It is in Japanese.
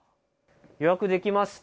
予約できました。